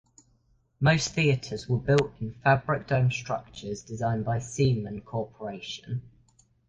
Most theatres were built in fabric domed structures designed by Seaman Corporation.